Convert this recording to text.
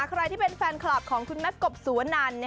ใครที่เป็นแฟนคลับของคุณแมทกบสุวนัน